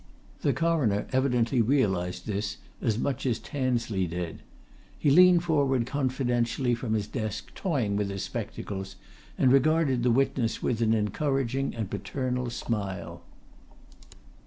The Coroner evidently realized this as much as Tansley did. He leaned forward confidentially from his desk, toying with his spectacles, and regarded the witness with an encouraging and paternal smile.